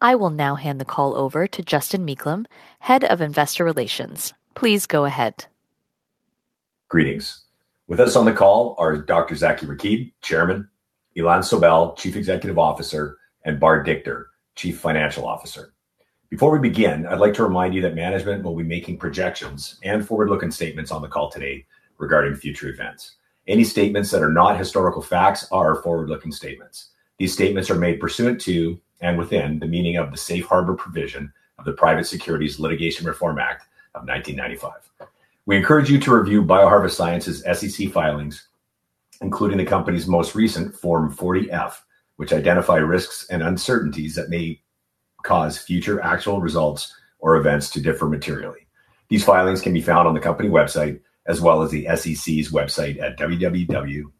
I will now hand the call over to Justin Meiklem, Head of Investor Relations. Please go ahead. Greetings. With us on the call are Dr. Zaki Rakib, Chairman, Ilan Sobel, Chief Executive Officer, and Bar Dichter, Chief Financial Officer. Before we begin, I'd like to remind you that management will be making projections and forward-looking statements on the call today regarding future events. Any statements that are not historical facts are forward-looking statements. These statements are made pursuant to and within the meaning of the Safe Harbor provision of the Private Securities Litigation Reform Act of 1995. We encourage you to review BioHarvest Sciences SEC filings, including the company's most recent Form 40-F, which identify risks and uncertainties that may cause future actual results or events to differ materially. These filings can be found on the company website as well as the SEC's website at www.sec.gov.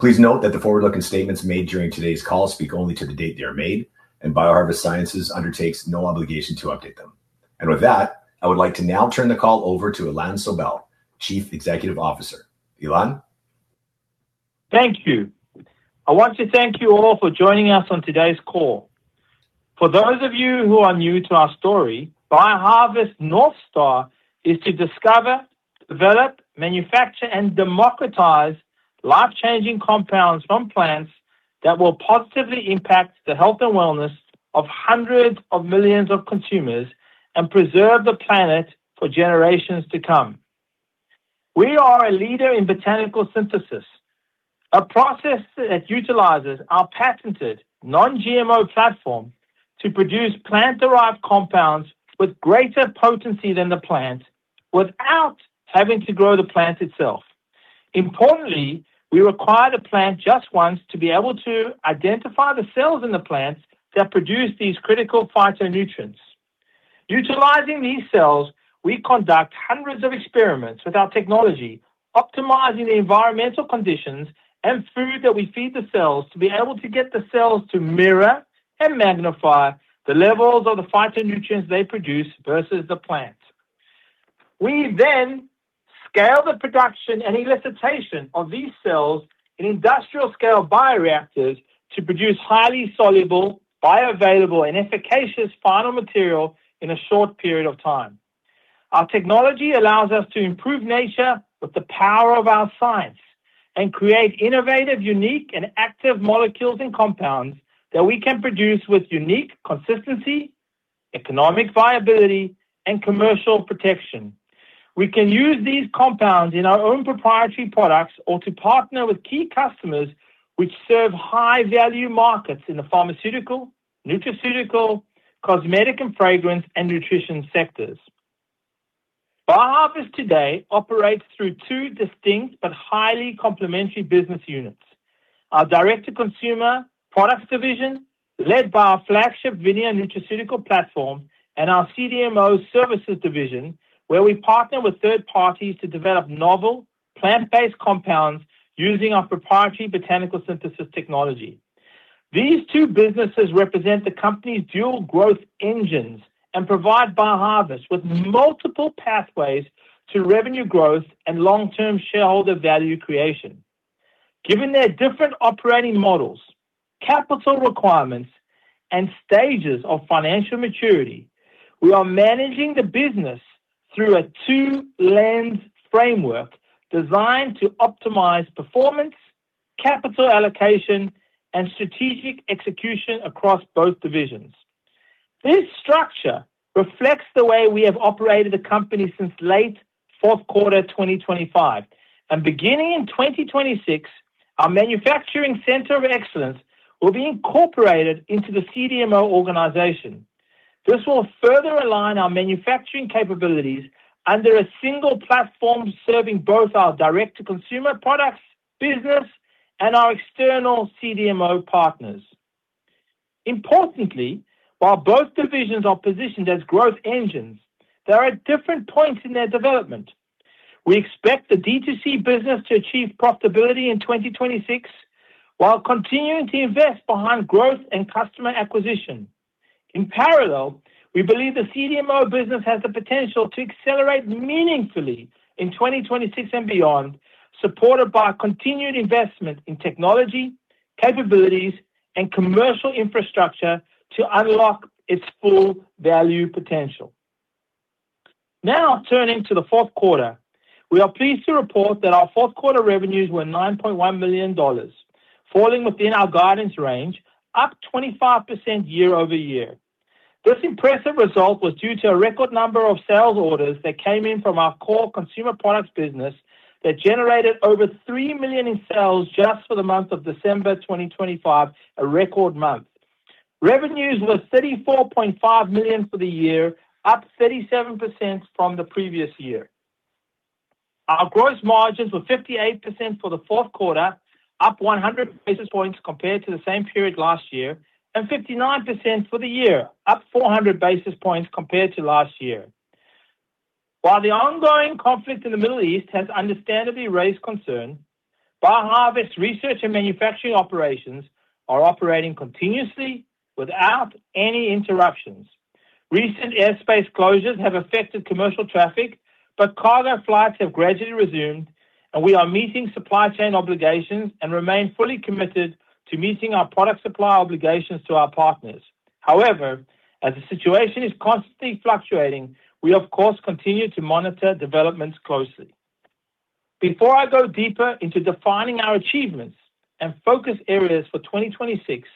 Please note that the forward-looking statements made during today's call speak only to the date they are made, and BioHarvest Sciences undertakes no obligation to update them. With that, I would like to now turn the call over to Ilan Sobel, Chief Executive Officer. Ilan? Thank you. I want to thank you all for joining us on today's call. For those of you who are new to our story, BioHarvest NORTH STAR is to discover, develop, manufacture, and democratize life-changing compounds from plants that will positively impact the health and wellness of hundreds of millions of consumers and preserve the planet for generations to come. We are a leader in Botanical Synthesis, a process that utilizes our patented non-GMO platform to produce plant-derived compounds with greater potency than the plant without having to grow the plant itself. Importantly, we require the plant just once to be able to identify the cells in the plants that produce these critical phytonutrients. Utilizing these cells, we conduct hundreds of experiments with our technology, optimizing the environmental conditions and food that we feed the cells to be able to get the cells to mirror and magnify the levels of the phytonutrients they produce versus the plant. We then scale the production and elicitation of these cells in industrial scale bioreactors to produce highly soluble, bioavailable, and efficacious final material in a short period of time. Our technology allows us to improve nature with the power of our science and create innovative, unique, and active molecules and compounds that we can produce with unique consistency, economic viability, and commercial protection. We can use these compounds in our own proprietary products or to partner with key customers which serve high value markets in the pharmaceutical, nutraceutical, cosmetic and fragrance, and nutrition sectors. BioHarvest today operates through two distinct but highly complementary business units. Direct-to-Consumer Products division, led by our flagship VINIA nutraceutical platform, and our CDMO Services division, where we partner with third parties to develop novel plant-based compounds using our proprietary Botanical Synthesis technology. These two businesses represent the company's dual growth engines and provide BioHarvest with multiple pathways to revenue growth and long-term shareholder value creation. Given their different operating models, capital requirements, and stages of financial maturity, we are managing the business through a two-lens framework designed to optimize performance, capital allocation, and strategic execution across both divisions. This structure reflects the way we have operated the company since late fourth quarter 2025. Beginning in 2026, our manufacturing center of excellence will be incorporated into the CDMO organization. This will further align our manufacturing capabilities under a single platform, serving both our Direct-to-Consumer Products business and our external CDMO partners. Importantly, while both divisions are positioned as growth engines, they're at different points in their development. We expect the D2C business to achieve profitability in 2026, while continuing to invest behind growth and customer acquisition. In parallel, we believe the CDMO business has the potential to accelerate meaningfully in 2026 and beyond, supported by continued investment in technology, capabilities, and commercial infrastructure to unlock its full value potential. Now turning to the fourth quarter. We are pleased to report that our fourth quarter revenues were $9.1 million, falling within our guidance range, up 25% year-over-year. This impressive result was due to a record number of sales orders that came in from our core consumer products business that generated over $3 million in sales just for the month of December 2025, a record month. Revenues were $34.5 million for the year, up 37% from the previous year. Our gross margins were 58% for the fourth quarter, up 100 basis points compared to the same period last year, and 59% for the year, up 400 basis points compared to last year. While the ongoing conflict in the Middle East has understandably raised concern, BioHarvest research and manufacturing operations are operating continuously without any interruptions. Recent airspace closures have affected commercial traffic, but cargo flights have gradually resumed, and we are meeting supply chain obligations and remain fully committed to meeting our product supply obligations to our partners. However, as the situation is constantly fluctuating, we of course continue to monitor developments closely. Before I go deeper into defining our achievements and focus areas for 2026,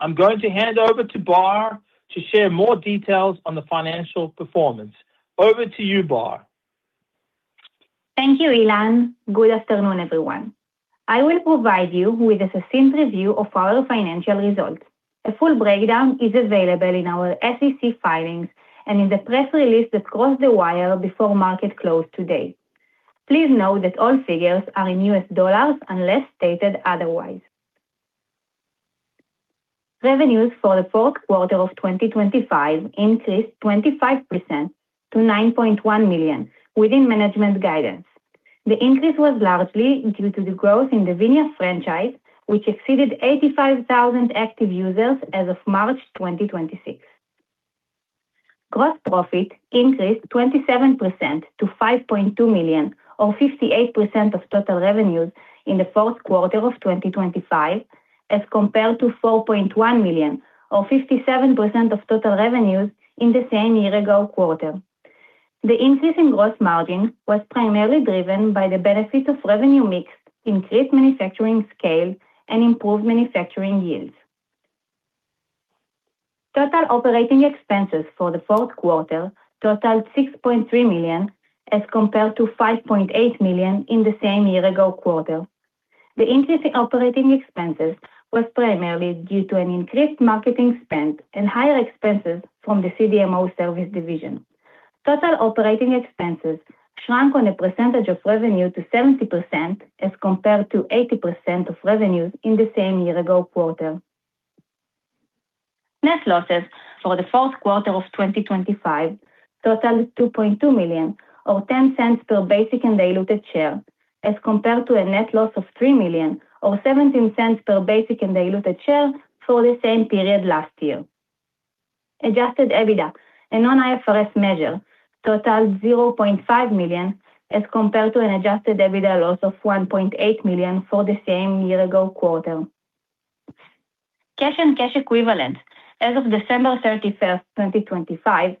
I'm going to hand over to Bar to share more details on the financial performance. Over to you, Bar. Thank you, Ilan. Good afternoon, everyone. I will provide you with a succinct review of our financial results. A full breakdown is available in our SEC filings and in the press release that crossed the wire before market close today. Please note that all figures are in US dollars unless stated otherwise. Revenues for the fourth quarter of 2025 increased 25% to $9.1 million within management guidance. The increase was largely due to the growth in the VINIA franchise, which exceeded 85,000 active users as of March 2026. Gross profit increased 27% to $5.2 million or 58% of total revenues in the fourth quarter of 2025, as compared to $4.1 million or 57% of total revenues in the same year-ago quarter. The increase in gross margin was primarily driven by the benefit of revenue mix, increased manufacturing scale, and improved manufacturing yields. Total operating expenses for the fourth quarter totaled $6.3 million, as compared to $5.8 million in the same year ago quarter. The increase in operating expenses was primarily due to an increased marketing spend and higher expenses from the CDMO Service division. Total operating expenses shrunk on a percentage of revenue to 70% as compared to 80% of revenues in the same year ago quarter. Net losses for the fourth quarter of 2025 totaled $2.2 million or $0.10 per basic and diluted share, as compared to a net loss of $3 million or $0.17 per basic and diluted share for the same period last year. Adjusted EBITDA and non-IFRS measure totaled $0.5 million, as compared to an adjusted EBITDA loss of $1.8 million for the same year-ago quarter. Cash and cash equivalents as of December 31st, 2025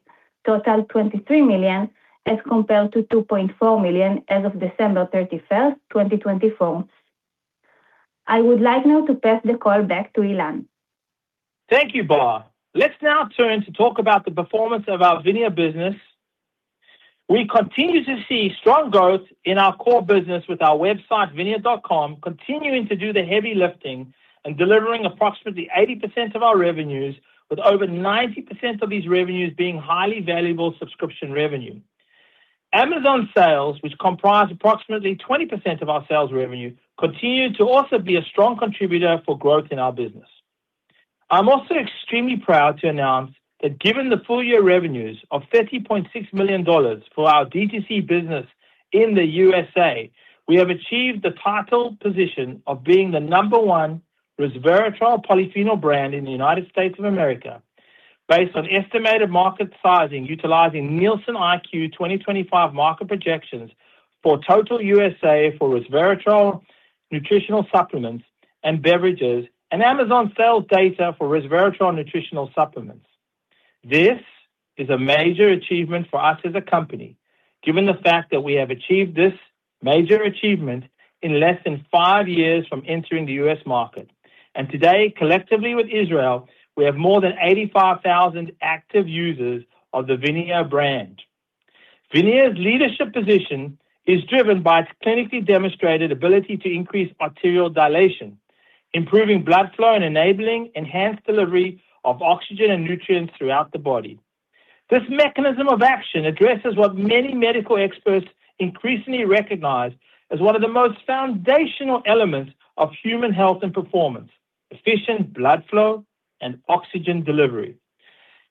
totaled $23 million, as compared to $2.4 million as of December 31st, 2024. I would like now to pass the call back to Ilan. Thank you, Bar. Let's now turn to talk about the performance of our VINIA business. We continue to see strong growth in our core business with our website, vinia.com, continuing to do the heavy lifting and delivering approximately 80% of our revenues with over 90% of these revenues being highly valuable subscription revenue. Amazon sales, which comprise approximately 20% of our sales revenue, continue to also be a strong contributor for growth in our business. I'm also extremely proud to announce that given the full year revenues of $30.6 million for our D2C business in the USA, we have achieved the title position of being the number one resveratrol polyphenol brand in the United States of America based on estimated market sizing utilizing NielsenIQ 2025 market projections for total USA for resveratrol nutritional supplements and beverages, and Amazon sales data for resveratrol nutritional supplements. This is a major achievement for us as a company, given the fact that we have achieved this major achievement in less than five years from entering the U.S. market. Today, collectively with Israel, we have more than 85,000 active users of the VINIA brand. VINIA's leadership position is driven by its clinically demonstrated ability to increase arterial dilation, improving blood flow, and enabling enhanced delivery of oxygen and nutrients throughout the body. This mechanism of action addresses what many medical experts increasingly recognize as one of the most foundational elements of human health and performance: efficient blood flow and oxygen delivery.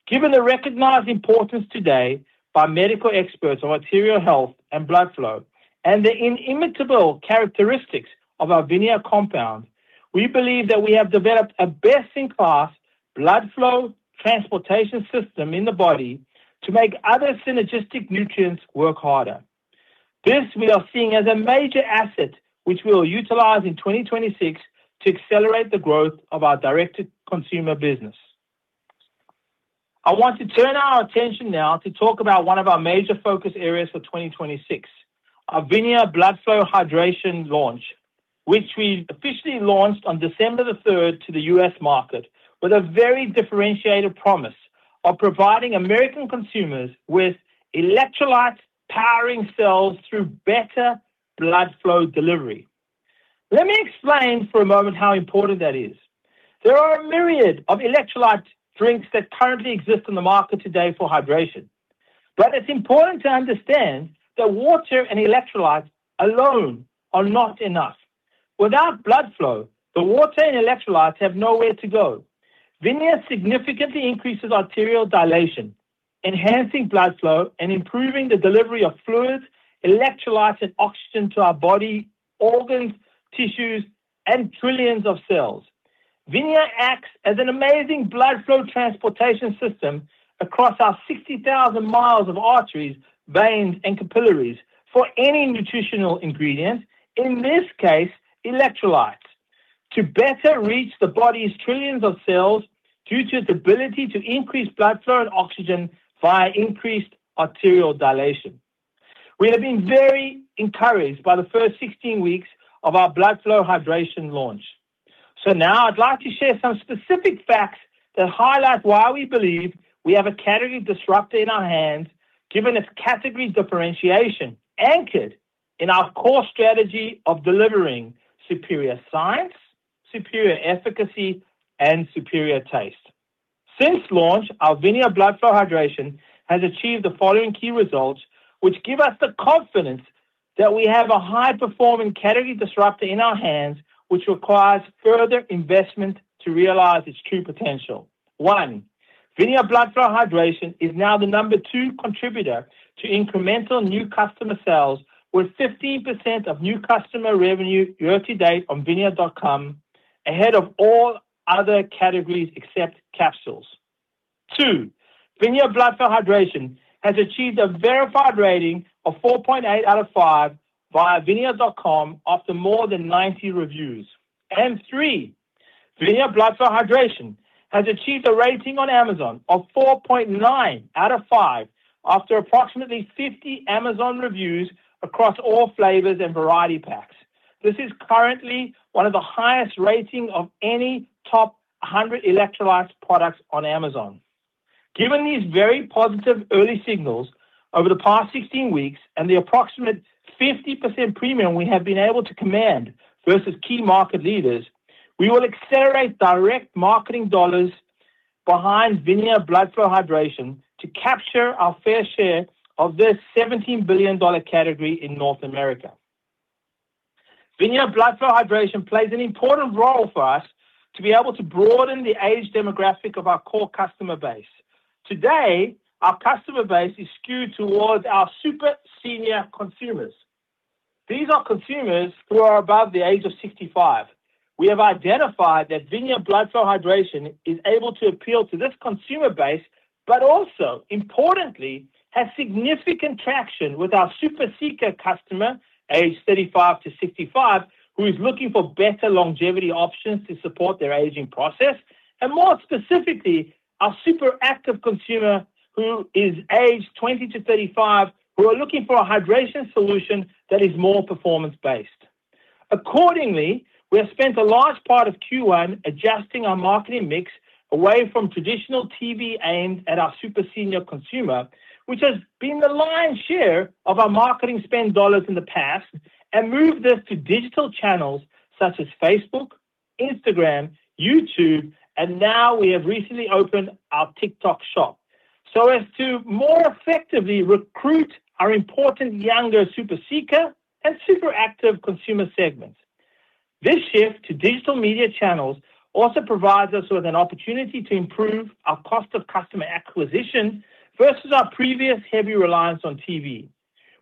Given the recognized importance today by medical experts of arterial health and blood flow and the inimitable characteristics of our VINIA compound, we believe that we have developed a best-in-class blood flow transportation system in the body to make other synergistic nutrients work harder. This we are seeing as a major asset which we'll utilize in 2026 to accelerate the growth of our Direct-to-Consumer business. I want to turn our attention now to talk about one of our major focus areas for 2026, our VINIA Blood Flow Hydration launch, which we officially launched on December the 3rd to the U.S. market with a very differentiated promise of providing American consumers with electrolytes powering cells through better blood flow delivery. Let me explain for a moment how important that is. There are a myriad of electrolyte drinks that currently exist in the market today for hydration, but it's important to understand that water and electrolytes alone are not enough. Without blood flow, the water and electrolytes have nowhere to go. VINIA significantly increases arterial dilation, enhancing blood flow, and improving the delivery of fluids, electrolytes, and oxygen to our body, organs, tissues, and trillions of cells. VINIA acts as an amazing blood flow transportation system across our 60,000 mi of arteries, veins, and capillaries for any nutritional ingredient, in this case, electrolytes, to better reach the body's trillions of cells due to its ability to increase blood flow and oxygen via increased arterial dilation. We have been very encouraged by the first 16 weeks of our Blood Flow Hydration launch. Now I'd like to share some specific facts that highlight why we believe we have a category disruptor in our hands, given its category differentiation anchored in our core strategy of delivering superior science, superior efficacy, and superior taste. Since launch, our VINIA Blood Flow Hydration has achieved the following key results, which give us the confidence that we have a high-performing category disruptor in our hands, which requires further investment to realize its true potential. One, VINIA Blood Flow Hydration is now the number two contributor to incremental new customer sales with 15% of new customer revenue year to date on vinia.com, ahead of all other categories except capsules. Two, VINIA Blood Flow Hydration has achieved a verified rating of 4.8 out of five via vinia.com after more than 90 reviews. Three, VINIA Blood Flow Hydration has achieved a rating on Amazon of 4.9 out of five after approximately 50 Amazon reviews across all flavors and variety packs. This is currently one of the highest rating of any top 100 electrolytes products on Amazon. Given these very positive early signals over the past 16 weeks and the approximate 50% premium we have been able to command versus key market leaders, we will accelerate direct marketing dollars behind VINIA Blood Flow Hydration to capture our fair share of this $17 billion category in North America. VINIA Blood Flow Hydration plays an important role for us to be able to broaden the age demographic of our core customer base. Today, our customer base is skewed towards our super senior consumers. These are consumers who are above the age of 65. We have identified that VINIA Blood Flow Hydration is able to appeal to this consumer base, but also importantly, has significant traction with our super seeker customer, aged 35-65, who is looking for better longevity options to support their aging process, and more specifically, our super active consumer who is aged 20-35, who are looking for a hydration solution that is more performance-based. Accordingly, we have spent a large part of Q1 adjusting our marketing mix away from traditional TV aimed at our super senior consumer, which has been the lion's share of our marketing spend dollars in the past, and moved this to digital channels such as Facebook, Instagram, YouTube, and now we have recently opened our TikTok Shop so as to more effectively recruit our important younger super seeker and super active consumer segments. This shift to digital media channels also provides us with an opportunity to improve our cost of customer acquisition versus our previous heavy reliance on TV.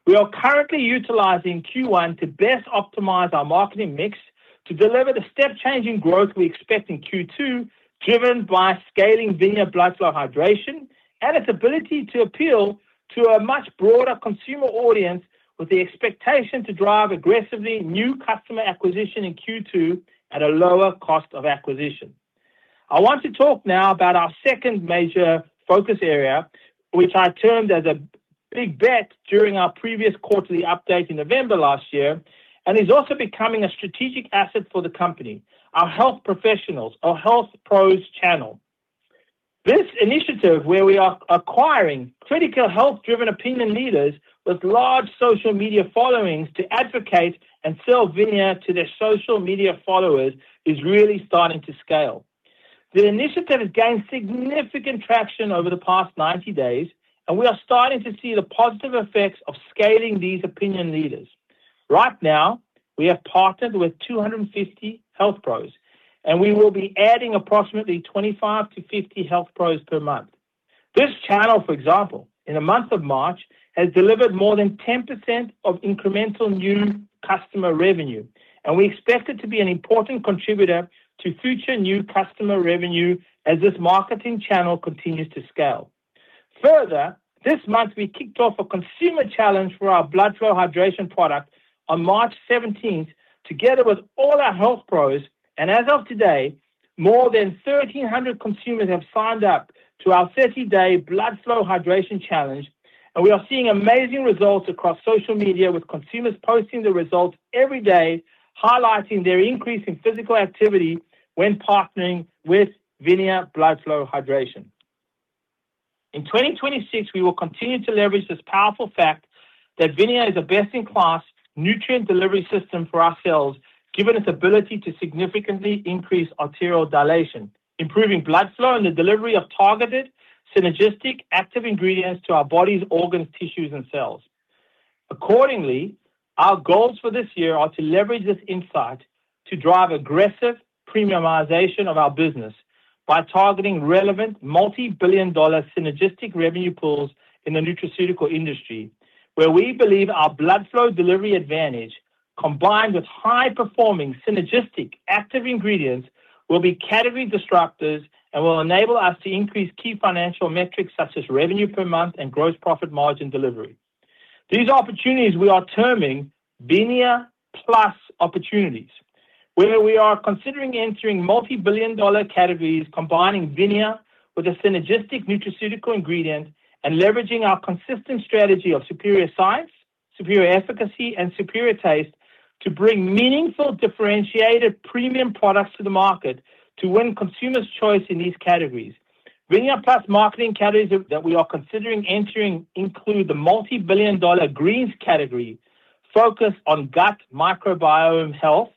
We are currently utilizing Q1 to best optimize our marketing mix to deliver the step change in growth we expect in Q2, driven by scaling VINIA Blood Flow Hydration and its ability to appeal to a much broader consumer audience with the expectation to drive aggressively new customer acquisition in Q2 at a lower cost of acquisition. I want to talk now about our second major focus area, which I termed as a big bet during our previous quarterly update in November last year, and is also becoming a strategic asset for the company, our health professionals, our Health Pros channel. This initiative where we are acquiring critical health-driven opinion leaders with large social media followings to advocate and sell VINIA to their social media followers is really starting to scale. The initiative has gained significant traction over the past 90 days, and we are starting to see the positive effects of scaling these opinion leaders. Right now, we have partnered with 250 Health Pros, and we will be adding approximately 25-50 Health Pros per month. This channel, for example, in the month of March, has delivered more than 10% of incremental new customer revenue, and we expect it to be an important contributor to future new customer revenue as this marketing channel continues to scale. Further, this month, we kicked off a consumer challenge for our Blood Flow Hydration product on March 17th together with all our Health Pros, and as of today, more than 1,300 consumers have signed up to our 30-day Blood Flow Hydration challenge, and we are seeing amazing results across social media with consumers posting the results every day, highlighting their increase in physical activity when partnering with VINIA Blood Flow Hydration. In 2026, we will continue to leverage this powerful fact that VINIA is a best-in-class nutrient delivery system for our cells, given its ability to significantly increase arterial dilation, improving blood flow and the delivery of targeted synergistic active ingredients to our body's organs, tissues, and cells. Accordingly, our goals for this year are to leverage this insight to drive aggressive premiumization of our business. By targeting relevant multi-billion-dollar synergistic revenue pools in the nutraceutical industry, where we believe our blood flow delivery advantage, combined with high-performing synergistic active ingredients, will be category disruptors and will enable us to increase key financial metrics such as revenue per month and gross profit margin delivery. These opportunities we are terming VINIA plus opportunities, where we are considering entering multi-billion-dollar categories, combining VINIA with a synergistic nutraceutical ingredient and leveraging our consistent strategy of superior science, superior efficacy and superior taste to bring meaningful, differentiated premium products to the market to win consumers choice in these categories. VINIA plus marketing categories that we are considering entering include the multi-billion-dollar greens category focused on gut microbiome health,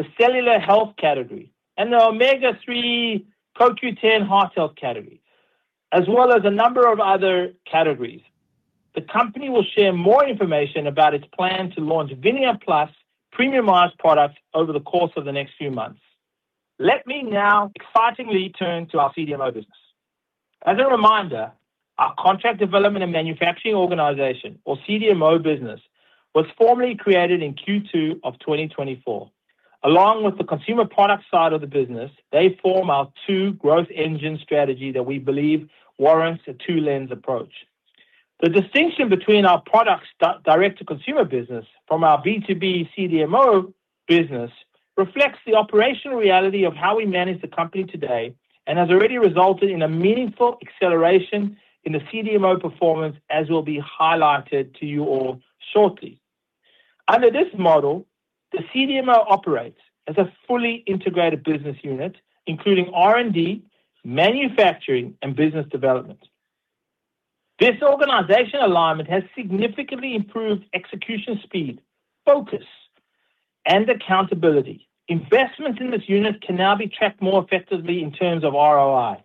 the cellular health category, and the Omega-3 CoQ10 heart health category, as well as a number of other categories. The company will share more information about its plan to launch VINIA plus premiumized products over the course of the next few months. Let me now excitingly turn to our CDMO business. As a reminder, our contract development and manufacturing organization or CDMO business was formally created in Q2 of 2024. Along with the Consumer Products side of the business, they form our two growth engine strategy that we believe warrants a two-lens approach. The distinction between our Direct-to-Consumer business from our B2B CDMO business reflects the operational reality of how we manage the company today and has already resulted in a meaningful acceleration in the CDMO performance as will be highlighted to you all shortly. Under this model, the CDMO operates as a fully integrated business unit, including R&D, manufacturing and business development. This organizational alignment has significantly improved execution speed, focus and accountability. Investment in this unit can now be tracked more effectively in terms of ROI.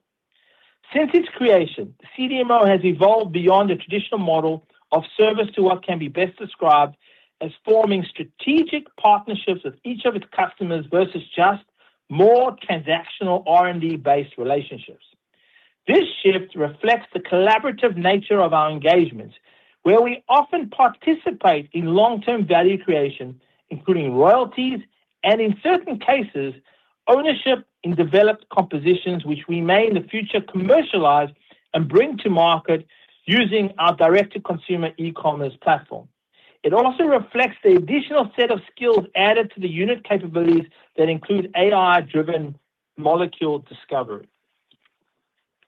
Since its creation, CDMO has evolved beyond the traditional model of service to what can be best described as forming strategic partnerships with each of its customers versus just more transactional R&D-based relationships. This shift reflects the collaborative nature of our engagements, where we often participate in long-term value creation, including royalties and in certain cases, ownership in developed compositions which we may in the future commercialize and bring to market using our direct-to-consumer e-commerce platform. It also reflects the additional set of skills added to the unit capabilities that include AI-driven molecule discovery.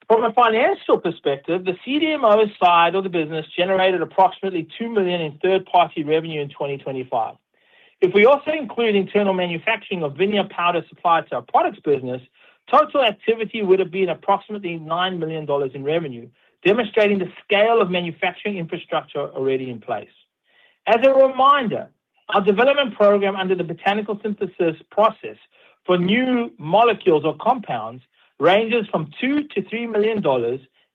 From a financial perspective, the CDMO side of the business generated approximately $2 million in third-party revenue in 2025. If we also include internal manufacturing of VINIA powder supplied to our products business, total activity would have been approximately $9 million in revenue, demonstrating the scale of manufacturing infrastructure already in place. As a reminder, our development program under the Botanical Synthesis process for new molecules or compounds ranges from $2-$3 million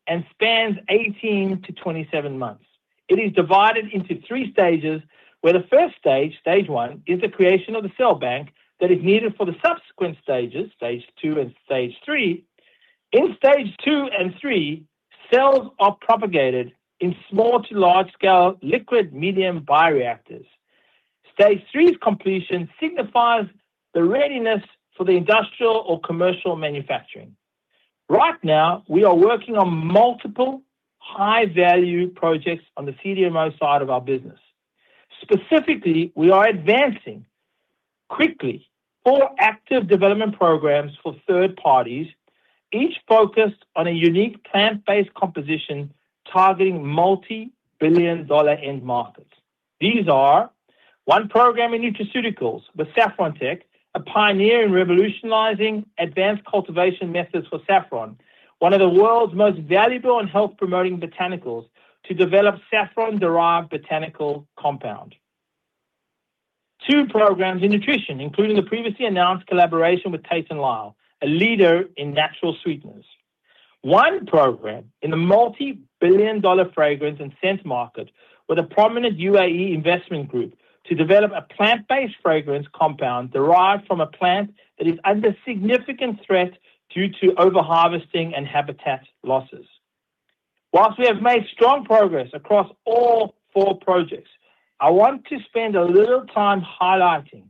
and spans 18-27 months. It is divided into three stages, where the first stage, Stage 1, is the creation of the cell bank that is needed for the subsequent stages, Stage 2 and Stage 3. In Stage 2 and 3, cells are propagated in small to large scale liquid medium bioreactors. Stage 3's completion signifies the readiness for the industrial or commercial manufacturing. Right now, we are working on multiple high-value projects on the CDMO side of our business. Specifically, we are advancing quickly four active development programs for third parties, each focused on a unique plant-based composition targeting multi-billion dollar end markets. These are one program in nutraceuticals with Saffron Tech, a pioneer in revolutionizing advanced cultivation methods for saffron, one of the world's most valuable and health-promoting botanicals to develop saffron-derived botanical compound. Two programs in nutrition, including the previously announced collaboration with Tate & Lyle, a leader in natural sweeteners. One program in the multi-billion-dollar fragrance and scent market with a prominent UAE investment group to develop a plant-based fragrance compound derived from a plant that is under significant threat due to overharvesting and habitat losses. While we have made strong progress across all four projects, I want to spend a little time highlighting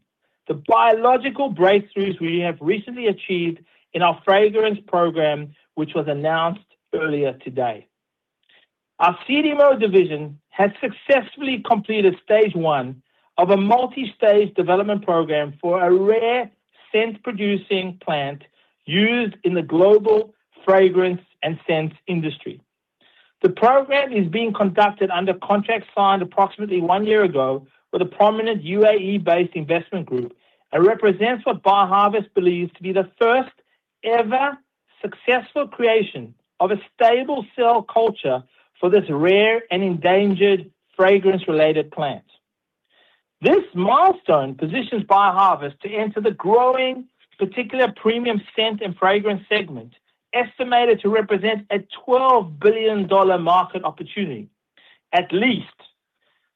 the biological breakthroughs we have recently achieved in our fragrance program, which was announced earlier today. Our CDMO division has successfully completed Stage 1 of a multi-stage development program for a rare scent-producing plant used in the global fragrance and scent industry. The program is being conducted under contract signed approximately one year ago with a prominent UAE-based investment group and represents what BioHarvest believes to be the first-ever successful creation of a stable cell culture for this rare and endangered fragrance-related plant. This milestone positions BioHarvest to enter the growing, in particular, premium scent and fragrance segment, estimated to represent a $12 billion market opportunity, at least.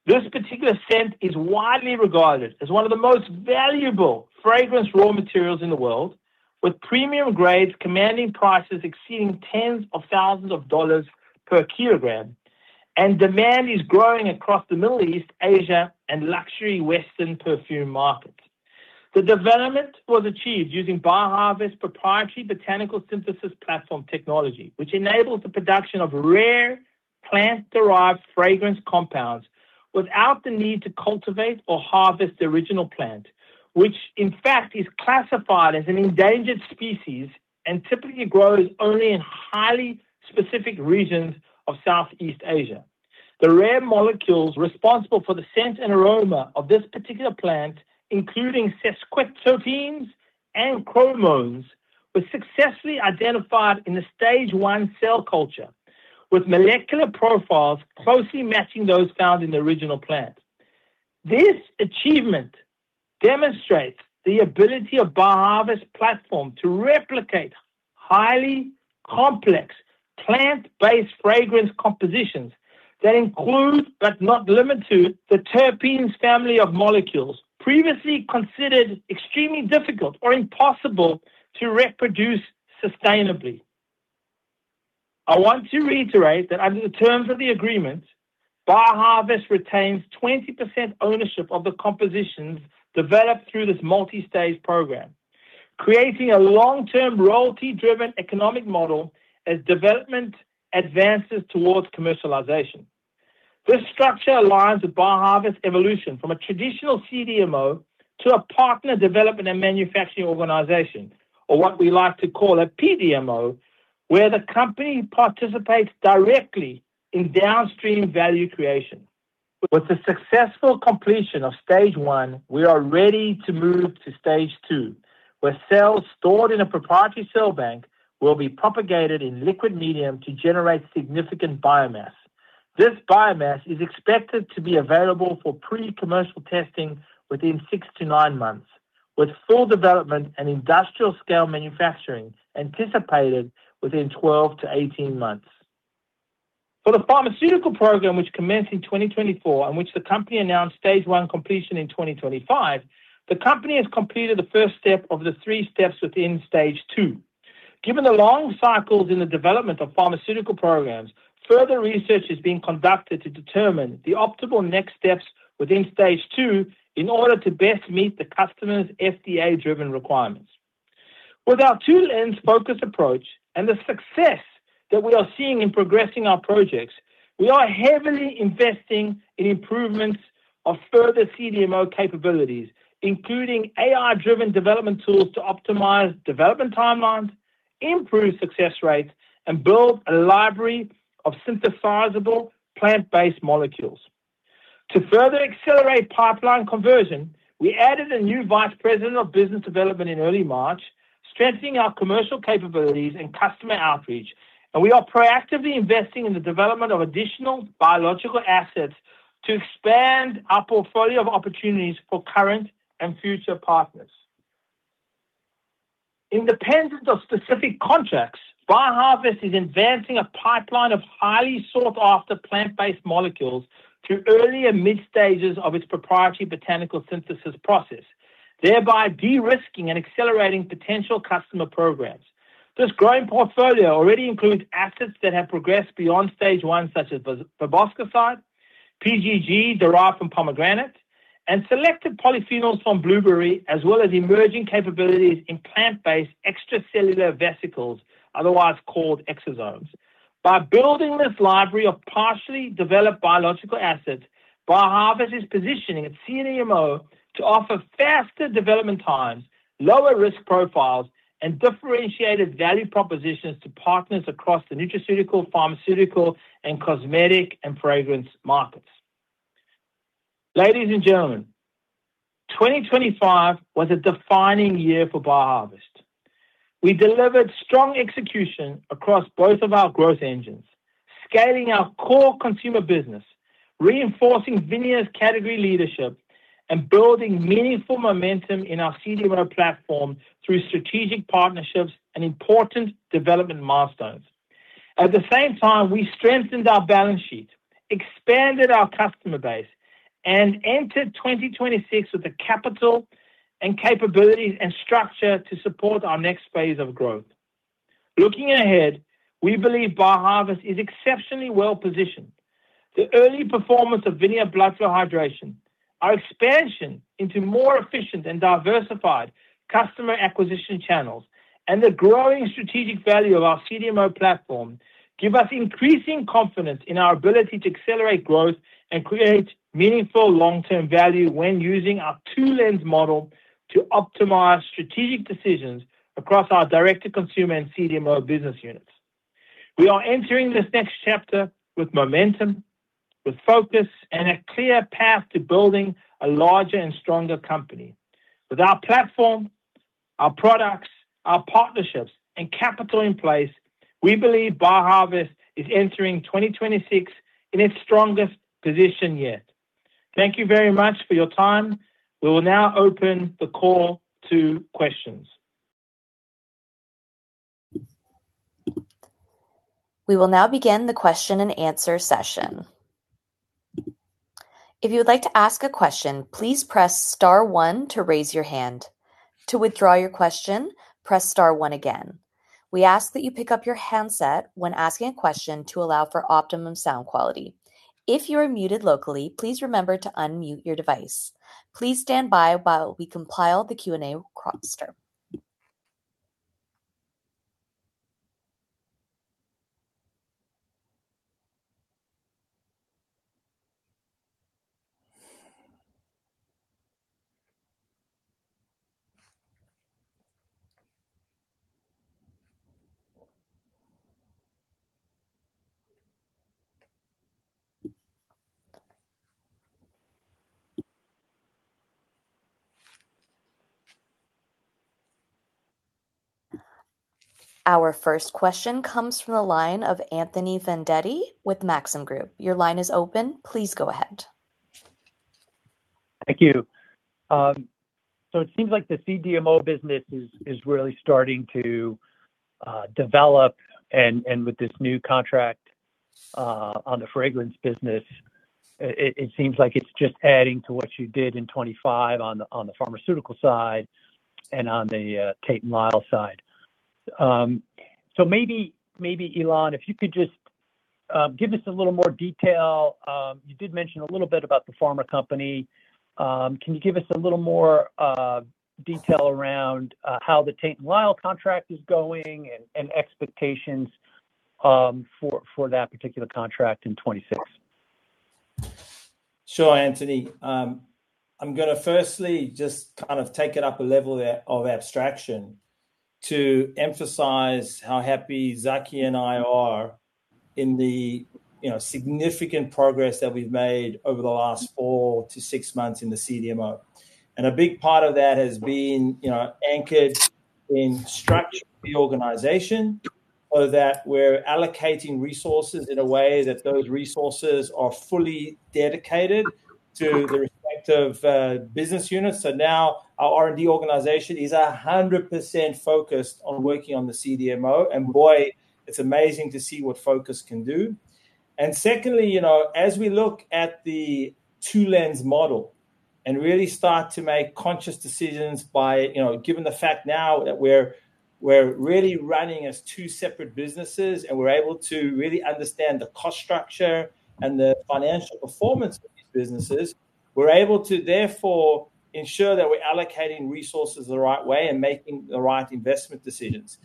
This particular scent is widely regarded as one of the most valuable fragrance raw materials in the world, with premium grades commanding prices exceeding tens of thousands of dollars per kilogram, and demand is growing across the Middle East, Asia, and luxury Western perfume markets. The development was achieved using BioHarvest's proprietary Botanical Synthesis platform technology, which enables the production of rare plant-derived fragrance compounds without the need to cultivate or harvest the original plant, which in fact is classified as an endangered species and typically grows only in highly specific regions of Southeast Asia. The rare molecules responsible for the scent and aroma of this particular plant, including sesquiterpenes and chromones, were successfully identified in the Stage 1 cell culture, with molecular profiles closely matching those found in the original plant. This achievement demonstrates the ability of BioHarvest platform to replicate highly complex plant-based fragrance compositions that include, but not limited to, the terpenes family of molecules previously considered extremely difficult or impossible to reproduce sustainably. I want to reiterate that under the terms of the agreement, BioHarvest retains 20% ownership of the compositions developed through this multi-stage program, creating a long-term royalty-driven economic model as development advances towards commercialization. This structure aligns with BioHarvest evolution from a traditional CDMO to a partner development and manufacturing organization, or what we like to call a PDMO, where the company participates directly in downstream value creation. With the successful completion of Stage 1, we are ready to move to Stage 2, where cells stored in a proprietary cell bank will be propagated in liquid medium to generate significant biomass. This biomass is expected to be available for pre-commercial testing within six to nine months, with full development and industrial scale manufacturing anticipated within 12-18 months. For the pharmaceutical program which commenced in 2024 and which the company announced Stage 1 completion in 2025, the company has completed the first step of the three steps within Stage 2. Given the long cycles in the development of pharmaceutical programs, further research is being conducted to determine the optimal next steps within Stage 2 in order to best meet the customer's FDA-driven requirements. With our two-lens focus approach and the success that we are seeing in progressing our projects, we are heavily investing in improvements of further CDMO capabilities, including AI-driven development tools to optimize development timelines, improve success rates, and build a library of synthesizable plant-based molecules. To further accelerate pipeline conversion, we added a new vice president of business development in early March, strengthening our commercial capabilities and customer outreach, and we are proactively investing in the development of additional biological assets to expand our portfolio of opportunities for current and future partners. Independent of specific contracts, BioHarvest is advancing a pipeline of highly sought-after plant-based molecules through early and mid stages of its proprietary Botanical Synthesis process, thereby de-risking and accelerating potential customer programs. This growing portfolio already includes assets that have progressed beyond Stage 1, such as boswellic acid, PGG derived from pomegranate, and selected polyphenols from blueberry, as well as emerging capabilities in plant-based extracellular vesicles, otherwise called exosomes. By building this library of partially developed biological assets, BioHarvest is positioning its CDMO to offer faster development times, lower risk profiles, and differentiated value propositions to partners across the nutraceutical, pharmaceutical, and cosmetic and fragrance markets. Ladies and gentlemen, 2025 was a defining year for BioHarvest. We delivered strong execution across both of our growth engines, scaling our core consumer business, reinforcing VINIA's category leadership, and building meaningful momentum in our CDMO platform through strategic partnerships and important development milestones. At the same time, we strengthened our balance sheet, expanded our customer base, and entered 2026 with the capital and capabilities and structure to support our next phase of growth. Looking ahead, we believe BioHarvest is exceptionally well-positioned. The early performance of VINIA Blood Flow Hydration, our expansion into more efficient and diversified customer acquisition channels, and the growing strategic value of our CDMO platform give us increasing confidence in our ability to accelerate growth and create meaningful long-term value when using our two-lens model to optimize strategic decisions across our Direct-to-Consumer and CDMO business units. We are entering this next chapter with momentum, with focus, and a clear path to building a larger and stronger company. With our platform, our products, our partnerships, and capital in place, we believe BioHarvest is entering 2026 in its strongest position yet. Thank you very much for your time. We will now open the call to questions. We will now begin the question-and-answer session. If you would like to ask a question, please press star one to raise your hand. To withdraw your question, press star one again. We ask that you pick up your handset when asking a question to allow for optimum sound quality. If you are muted locally, please remember to unmute your device. Please stand by while we compile the Q&A roster. Our first question comes from the line of Anthony Vendetti with Maxim Group. Your line is open. Please go ahead. Thank you. It seems like the CDMO business is really starting to develop and with this new contract on the fragrance business, it seems like it's just adding to what you did in 2025 on the pharmaceutical side and on the Tate & Lyle side. Maybe Ilan, if you could just give us a little more detail? You did mention a little bit about the pharma company. Can you give us a little more detail around how the Tate & Lyle contract is going and expectations for that particular contract in 2026? Sure, Anthony. I'm gonna firstly just kind of take it up a level of abstraction to emphasize how happy Zaki and I are in the, you know, significant progress that we've made over the last four to six months in the CDMO. A big part of that has been, you know, anchored in structuring the organization so that we're allocating resources in a way that those resources are fully dedicated to the respective business units. Now our R&D organization is 100% focused on working on the CDMO. Boy, it's amazing to see what focus can do. Secondly, you know, as we look at the two-lens model and really start to make conscious decisions by, you know, given the fact now that we're really running as two separate businesses, and we're able to really understand the cost structure and the financial performance of these businesses, we're able to therefore ensure that we're allocating resources the right way and making the right investment decisions.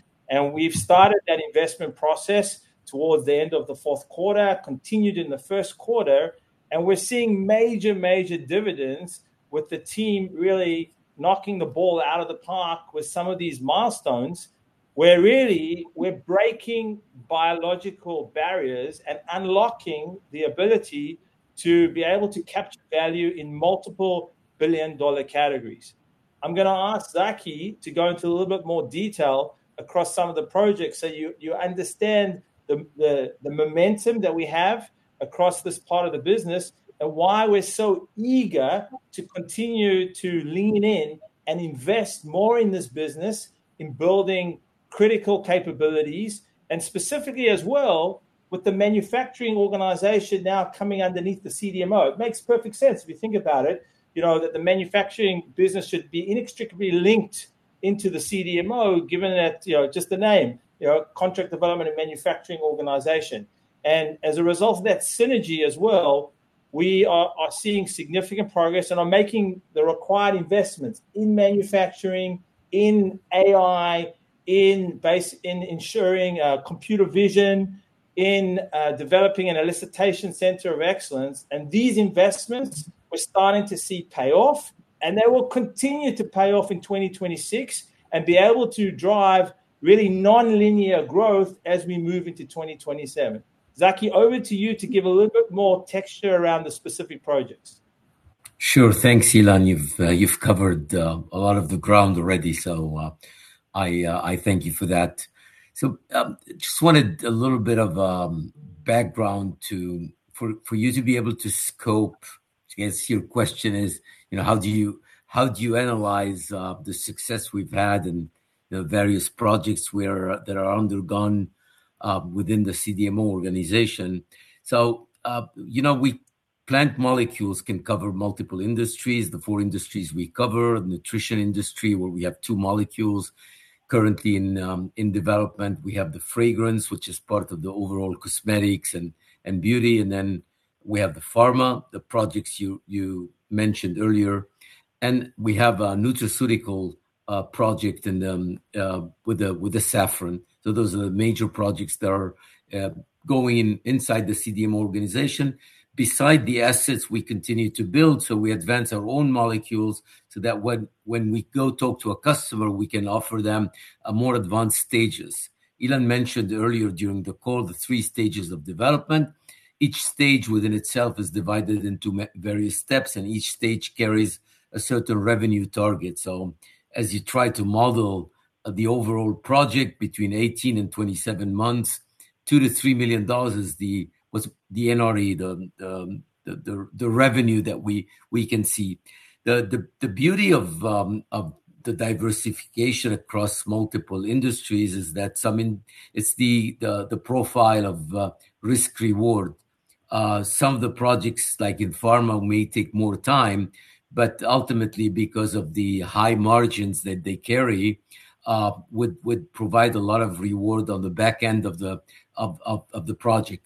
We've started that investment process towards the end of the fourth quarter, continued in the first quarter, and we're seeing major dividends with the team really knocking the ball out of the park with some of these milestones, where really we're breaking biological barriers and unlocking the ability to be able to capture value in multiple billion-dollar categories. I'm gonna ask Zaki to go into a little bit more detail across some of the projects, so you understand the momentum that we have across this part of the business and why we're so eager to continue to lean in and invest more in this business in building critical capabilities and specifically as well with the manufacturing organization now coming underneath the CDMO. It makes perfect sense if you think about it, you know, that the manufacturing business should be inextricably linked into the CDMO given that, you know, just the name, you know, Contract Development and Manufacturing Organization. As a result of that synergy as well, we are seeing significant progress and are making the required investments in manufacturing, in AI, in ensuring computer vision, in developing an elicitation center of excellence. These investments, we're starting to see payoff, and they will continue to pay off in 2026 and be able to drive really nonlinear growth as we move into 2027. Zaki, over to you to give a little bit more texture around the specific projects. Sure. Thanks, Ilan. You've covered a lot of the ground already, so I thank you for that. Just wanted a little bit of background to for you to be able to scope. I guess your question is, you know, how do you analyze the success we've had and the various projects that are undergone within the CDMO organization? You know, we plant molecules can cover multiple industries. The four industries we cover, the nutrition industry, where we have two molecules currently in development. We have the fragrance, which is part of the overall cosmetics and beauty. We have the pharma, the projects you mentioned earlier. We have a nutraceutical project in with the saffron. Those are the major projects that are going inside the CDMO organization. Besides the assets we continue to build, we advance our own molecules so that when we go talk to a customer, we can offer them a more advanced stages. Ilan mentioned earlier during the call the three stages of development. Each stage within itself is divided into various steps, and each stage carries a certain revenue target. As you try to model the overall project between 18 and 27 months, $2 million-$3 million is the NRE, the revenue that we can see. The beauty of the diversification across multiple industries is that some in- It's the profile of risk reward. Some of the projects, like in pharma, may take more time, but ultimately, because of the high margins that they carry, would provide a lot of reward on the back end of the project.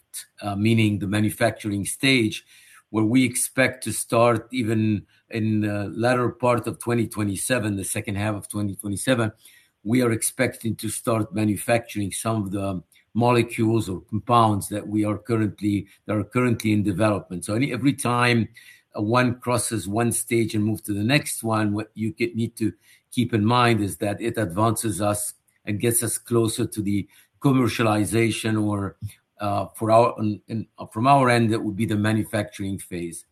Meaning the manufacturing stage, where we expect to start even in the latter part of 2027, the second half of 2027. We are expecting to start manufacturing some of the molecules or compounds that are currently in development. Every time one crosses one stage and move to the next one, what you need to keep in mind is that it advances us and gets us closer to the commercialization or, from our end, that would be the manufacturing phase.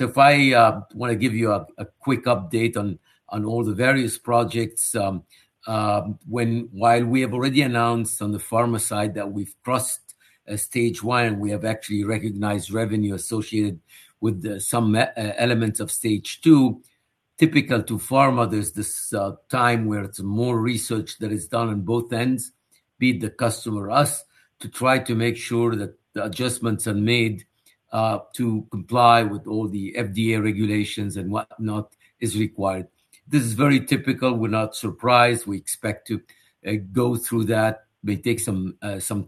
If I wanna give you a quick update on all the various projects. While we have already announced on the pharma side that we've crossed Stage 1, we have actually recognized revenue associated with some elements of Stage 2. Typical to pharma, there's this time where it's more research that is done on both ends, be it the customer or us, to try to make sure that the adjustments are made to comply with all the FDA regulations and whatnot as required. This is very typical. We're not surprised. We expect to go through that. It may take some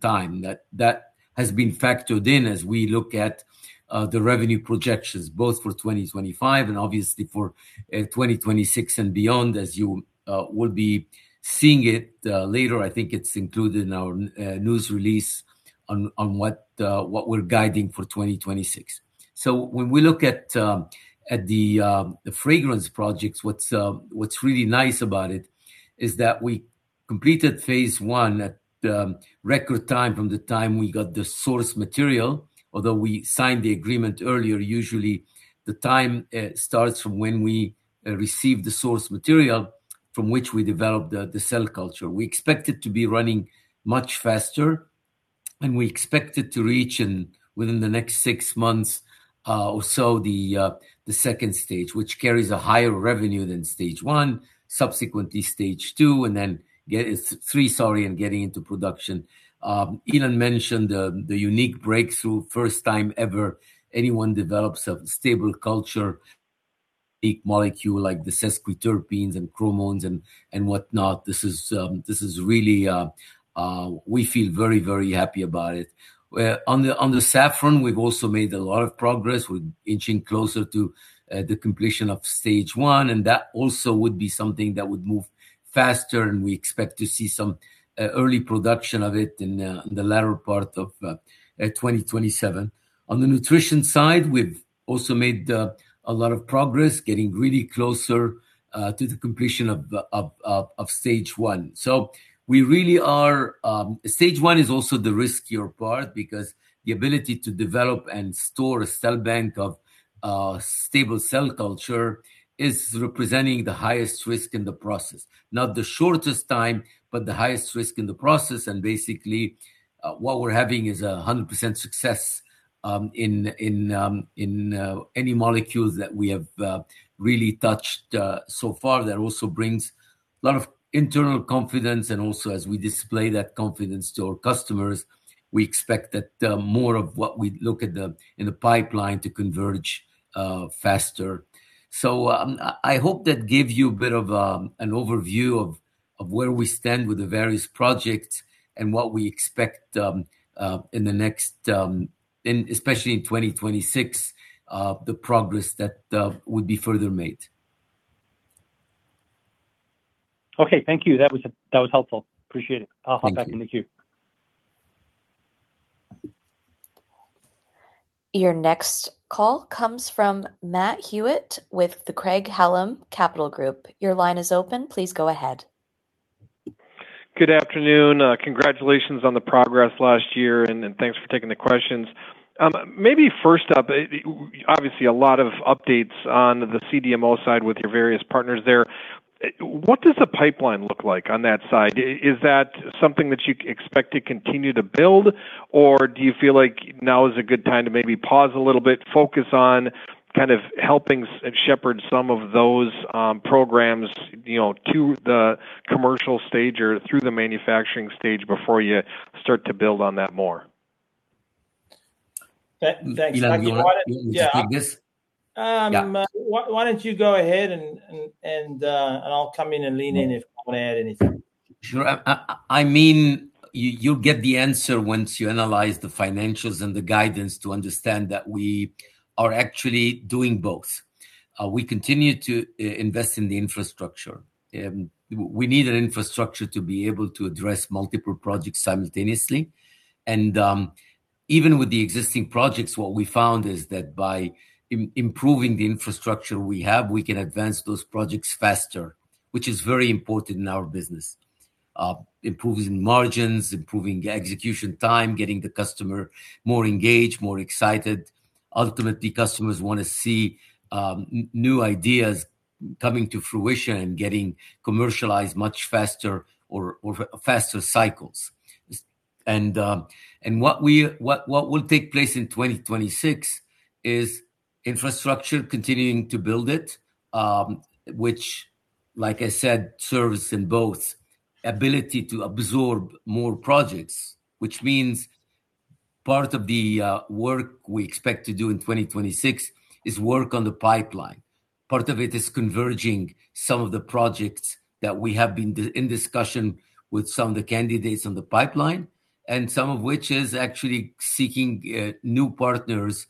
time. That has been factored in as we look at the revenue projections, both for 2025 and obviously for 2026 and beyond, as you will be seeing it later. I think it's included in our news release on what we're guiding for 2026. When we look at the fragrance projects, what's really nice about it is that we completed phase I at record time from the time we got the source material. Although we signed the agreement earlier, usually the time starts from when we receive the source material from which we develop the cell culture. We expect it to be running much faster, and we expect it to reach within the next six months or so the second stage, which carries a higher revenue than Stage 1, subsequently Stage 2, and then three, sorry, and getting into production. Ilan mentioned the unique breakthrough, first time ever anyone develops a stable culture, big molecule like the sesquiterpenes and chromones and whatnot. This is really. We feel very happy about it. On the saffron, we've also made a lot of progress. We're inching closer to the completion of Stage 1, and that also would be something that would move faster, and we expect to see some early production of it in the latter part of 2027. On the nutrition side, we've also made a lot of progress, getting really closer to the completion of Stage 1. We really are- Stage 1 is also the riskier part because the ability to develop and store a cell bank of stable cell culture is representing the highest risk in the process. Not the shortest time, but the highest risk in the process. Basically, what we're having is 100% success in any molecules that we have really touched so far. That also brings a lot of internal confidence. Also, as we display that confidence to our customers, we expect that more of what we look at in the pipeline to converge faster. I hope that gave you a bit of an overview of where we stand with the various projects and what we expect, especially in 2026, the progress that would be further made. Okay. Thank you. That was helpful. Appreciate it. Thank you. I'll hop back in the queue. Your next call comes from Matt Hewitt with the Craig-Hallum Capital Group. Your line is open. Please go ahead. Good afternoon. Congratulations on the progress last year, and then thanks for taking the questions. Maybe first up, obviously a lot of updates on the CDMO side with your various partners there. What does the pipeline look like on that side? Is that something that you expect to continue to build, or do you feel like now is a good time to maybe pause a little bit, focus on kind of helping shepherd some of those, programs, you know, to the commercial stage or through the manufacturing stage before you start to build on that more? Thanks. Matt, Ilan, yeah. Do you want to take this? Yeah. Why don't you go ahead and I'll come in and lean in if you want to add anything. Sure. I mean, you'll get the answer once you analyze the financials and the guidance to understand that we are actually doing both. We continue to invest in the infrastructure. We need an infrastructure to be able to address multiple projects simultaneously. Even with the existing projects, what we found is that by improving the infrastructure we have, we can advance those projects faster, which is very important in our business. Improving margins, improving execution time, getting the customer more engaged, more excited. Ultimately, customers wanna see new ideas coming to fruition and getting commercialized much faster or faster cycles. What will take place in 2026 is infrastructure continuing to build it, which like I said, serves in both ability to absorb more projects, which means part of the work we expect to do in 2026 is work on the pipeline. Part of it is converging some of the projects that we have been in discussion with some of the candidates on the pipeline, and some of which is actually seeking new partners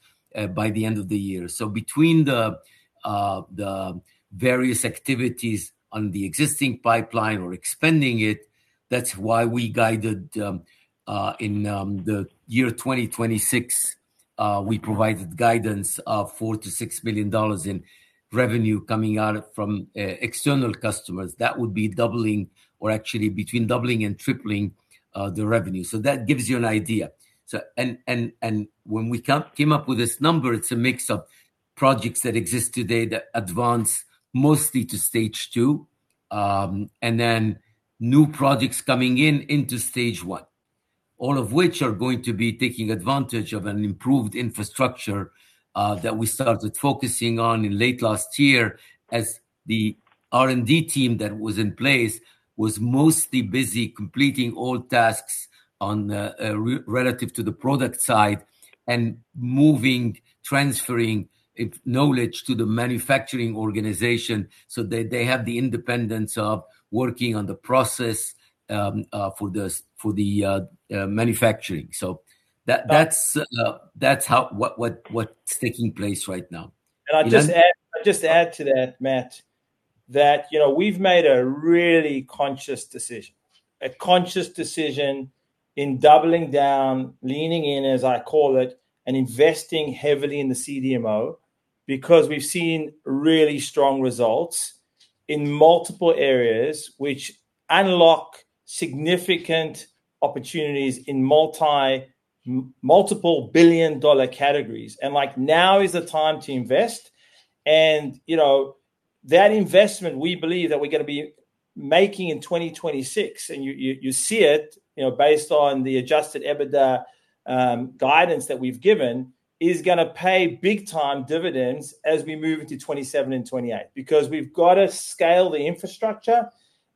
by the end of the year. Between the various activities on the existing pipeline or expanding it, that's why we guided in the year 2026, we provided guidance of $4 million-$6 million in revenue coming out from external customers. That would be doubling or actually between doubling and tripling the revenue. When we came up with this number, it's a mix of projects that exist today that advance mostly to Stage 2, and then new projects coming in into Stage 1. All of which are going to be taking advantage of an improved infrastructure that we started focusing on in late last year as the R&D team that was in place was mostly busy completing all tasks on the relative to the product side and moving, transferring knowledge to the manufacturing organization so that they have the independence of working on the process for the manufacturing. That's how what's taking place right now. Ilan? Can I just add to that, Matt, you know, we've made a really conscious decision in doubling down, leaning in, as I call it, and investing heavily in the CDMO because we've seen really strong results in multiple areas which unlock significant opportunities in multiple billion-dollar categories. Like, now is the time to invest. You know, that investment we believe that we're gonna be making in 2026, and you see it, you know, based on the adjusted EBITDA guidance that we've given is gonna pay big time dividends as we move into 2027 and 2028. Because we've got to scale the infrastructure,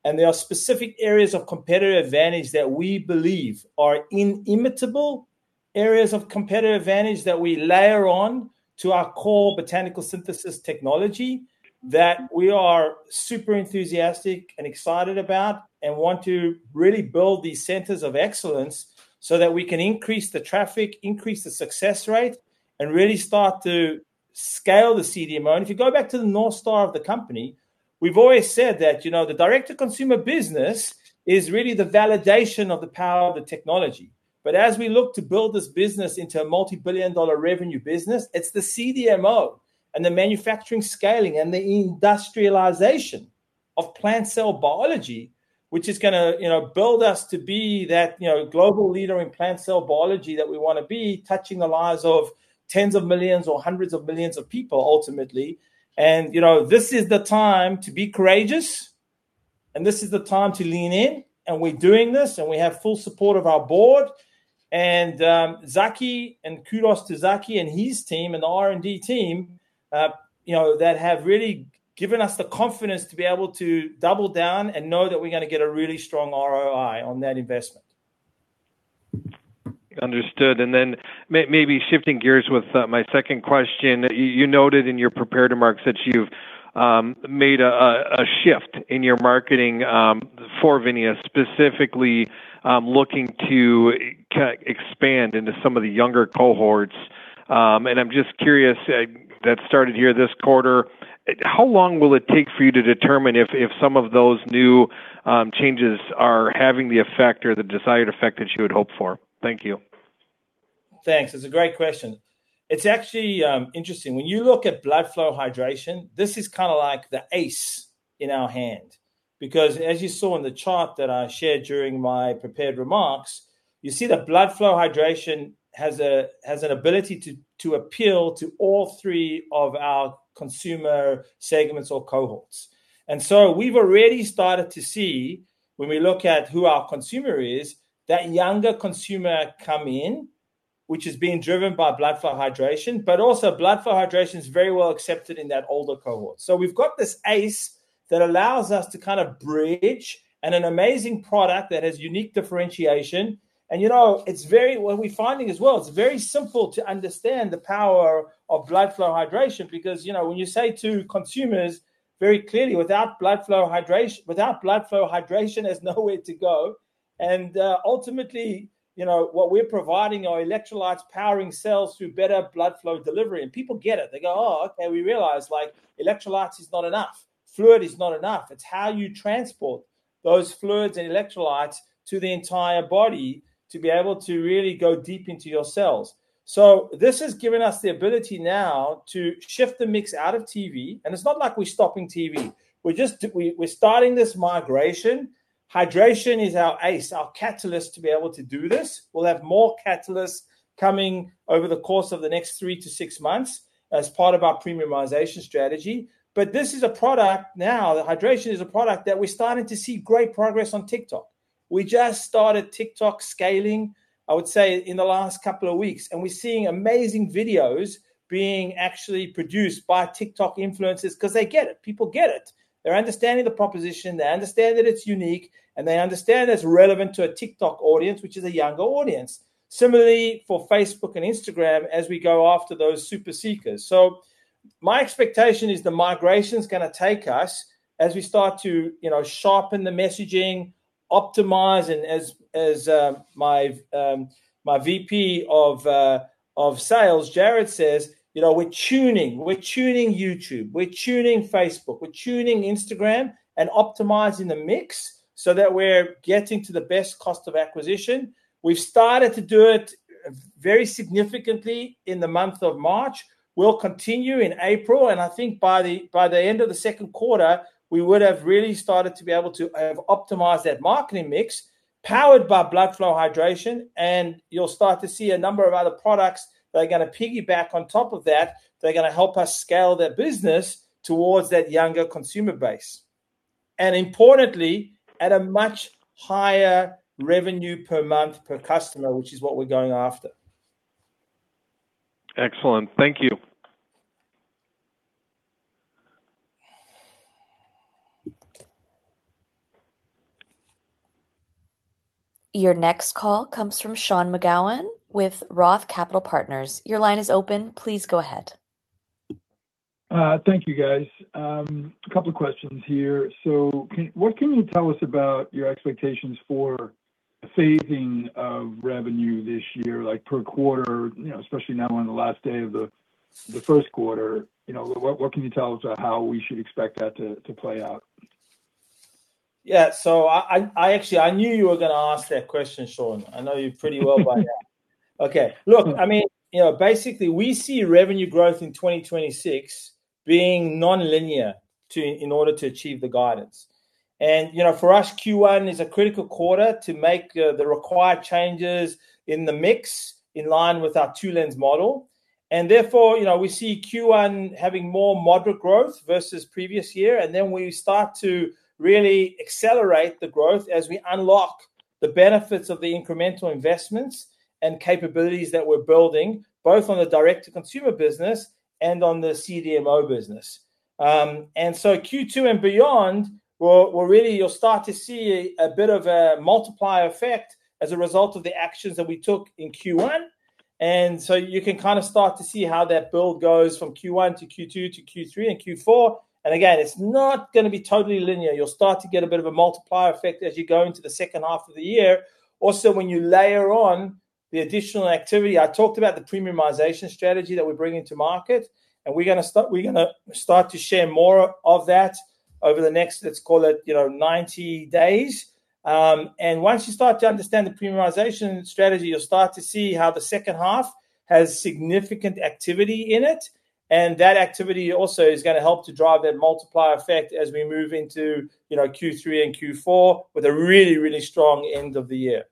and there are specific areas of competitive advantage that we believe are inimitable, areas of competitive advantage that we layer on to our core Botanical Synthesis technology that we are super enthusiastic and excited about, and want to really build these centers of excellence so that we can increase the traffic, increase the success rate, and really start to scale the CDMO. If you go back to the NORTH STAR of the company, we've always said that, you know, the Direct-to-Consumer business is really the validation of the power of the technology. As we look to build this business into a multi-billion dollar revenue business, it's the CDMO and the manufacturing scaling and the industrialization of plant cell biology, which is gonna, you know, build us to be that, you know, global leader in plant cell biology that we wanna be, touching the lives of tens of millions or hundreds of millions of people ultimately. You know, this is the time to be courageous, and this is the time to lean in, and we're doing this, and we have full support of our board. Zaki, and kudos to Zaki and his team and the R&D team, you know, that have really given us the confidence to be able to double down and know that we're gonna get a really strong ROI on that investment. Understood. Maybe shifting gears with my second question. You noted in your prepared remarks that you've made a shift in your marketing for VINIA, specifically looking to expand into some of the younger cohorts. I'm just curious that started here this quarter. How long will it take for you to determine if some of those new changes are having the effect or the desired effect that you had hoped for? Thank you. Thanks. It's a great question. It's actually interesting. When you look at Blood Flow Hydration, this is kinda like the ace in our hand. Because as you saw in the chart that I shared during my prepared remarks, you see that Blood Flow Hydration has an ability to appeal to all three of our consumer segments or cohorts. We've already started to see when we look at who our consumer is, that younger consumer come in, which is being driven by Blood Flow Hydration, but also Blood Flow Hydration is very well accepted in that older cohort. We've got this ace that allows us to kind of bridge, and an amazing product that has unique differentiation. You know, it's very. What we're finding as well, it's very simple to understand the power of Blood Flow Hydration because, you know, when you say to consumers very clearly, without Blood Flow Hydration, there's nowhere to go. Ultimately, you know, what we're providing are electrolytes powering cells through better blood flow delivery. People get it. They go, "Oh, okay. We realize, like electrolytes is not enough. Fluid is not enough. It's how you transport those fluids and electrolytes to the entire body to be able to really go deep into your cells." This has given us the ability now to shift the mix out of TV. It's not like we're stopping TV. We're just starting this migration. Hydration is our ace, our catalyst to be able to do this. We'll have more catalysts coming over the course of the next three to six months as part of our premiumization strategy. This is a product now, the hydration is a product that we're starting to see great progress on TikTok. We just started TikTok scaling, I would say, in the last couple of weeks, and we're seeing amazing videos being actually produced by TikTok influencers 'cause they get it. People get it. They're understanding the proposition, they understand that it's unique, and they understand it's relevant to a TikTok audience, which is a younger audience. Similarly for Facebook and Instagram as we go after those super seekers. My expectation is the migration's gonna take us as we start to, you know, sharpen the messaging, optimize and as my VP of sales, Jared, says, you know, we're tuning. We're tuning YouTube, we're tuning Facebook, we're tuning Instagram and optimizing the mix so that we're getting to the best cost of acquisition. We've started to do it very significantly in the month of March. We'll continue in April, and I think by the end of the second quarter, we would have really started to be able to have optimized that marketing mix powered by Blood Flow Hydration. You'll start to see a number of other products that are gonna piggyback on top of that are gonna help us scale that business towards that younger consumer base. Importantly, at a much higher revenue per month per customer, which is what we're going after. Excellent. Thank you. Your next call comes from Sean McGowan with Roth Capital Partners. Your line is open. Please go ahead. Thank you guys. A couple of questions here. What can you tell us about your expectations for phasing of revenue this year, like per quarter, you know, especially now on the last day of the first quarter? You know, what can you tell us about how we should expect that to play out? Yeah. I actually knew you were gonna ask that question, Sean. I know you pretty well by now. Okay. Look, I mean, you know, basically we see revenue growth in 2026 being nonlinear to, in order to achieve the guidance. You know, for us, Q1 is a critical quarter to make the required changes in the mix in line with our two-lens model. Therefore, you know, we see Q1 having more moderate growth versus previous year. Then we start to really accelerate the growth as we unlock the benefits of the incremental investments and capabilities that we're building, both on the Direct-to-Consumer business and on the CDMO business. Q2 and beyond, we're really you'll start to see a bit of a multiplier effect as a result of the actions that we took in Q1. You can kind of start to see how that build goes from Q1 to Q2 to Q3 and Q4. Again, it's not gonna be totally linear. You'll start to get a bit of a multiplier effect as you go into the second half of the year. Also when you layer on the additional activity, I talked about the premiumization strategy that we're bringing to market, and we're gonna start to share more of that over the next, let's call it, you know, 90 days. Once you start to understand the premiumization strategy, you'll start to see how the second half has significant activity in it. That activity also is gonna help to drive that multiplier effect as we move into, you know, Q3 and Q4 with a really, really strong end of the year.